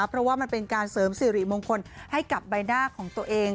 เพราะว่ามันเป็นการเสริมสิริมงคลให้กับใบหน้าของตัวเอง